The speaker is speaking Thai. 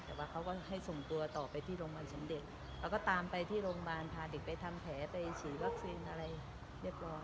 แต่ว่าเขาก็ให้ส่งตัวต่อไปที่โรงพยาบาลสมเด็จแล้วก็ตามไปที่โรงพยาบาลพาเด็กไปทำแผลไปฉีดวัคซีนอะไรเรียบร้อย